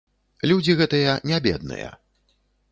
Людзі гэтыя не бедныя.